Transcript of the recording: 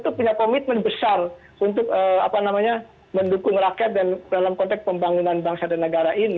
tentu punya komitmen besar untuk apa namanya mendukung rakyat dalam konteks pembangunan bangsa dan negara ini